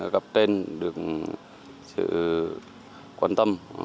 gặp tên được sự quan tâm